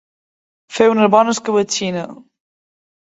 Fer una bona escabetxina.